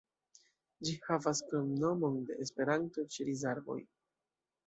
Ĝi havas kromnomon de Esperanto, "Ĉeriz-arboj".